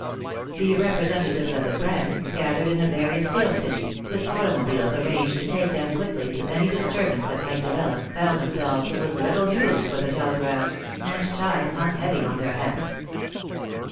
The representatives of the press, gathered in the various steel cities, with automobiles arranged for to take them quickly to any disturbance that might develop, found themselves with little news for the telegraph, and time hung heavy on their hands.